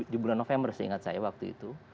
di bulan november seingat saya waktu itu